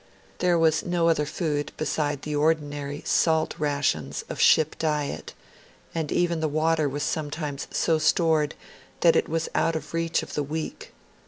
There was no other food beside the ordinary salt rations of ship diet; and even the water was sometimes so stored that it was out of reach of the weak.